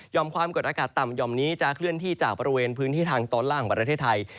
ความกดอากาศต่ำหย่อมนี้จะเคลื่อนที่จากบริเวณพื้นที่ทางตอนล่างของประเทศไทย